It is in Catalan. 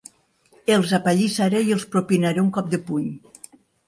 Els apallissaré i els propinaré un cop de puny!